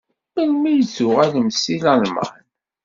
Melmi i d-tuɣalemt seg Lalman?